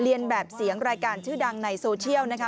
เรียนแบบเสียงรายการชื่อดังในโซเชียลนะคะ